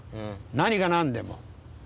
何がなんでも。